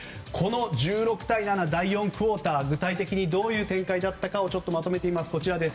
１６対７、第４クオーター具体的にどういう展開だったかまとめています。